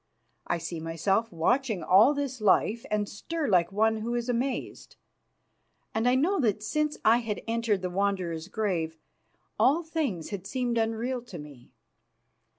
I see myself watching all this life and stir like one who is mazed, and I know that since I had entered the Wanderer's grave all things had seemed unreal to me.